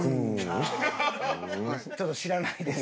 ちょっと知らないです